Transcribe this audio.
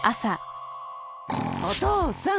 お父さん。